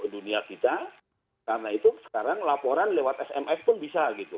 dunia kita karena itu sekarang laporan lewat smf pun bisa gitu